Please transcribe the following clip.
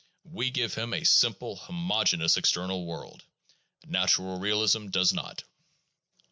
We give him a simple, homogeneous external world; "natural" realism does not.